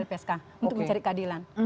dia pergi ke lpsk untuk mencari keadilan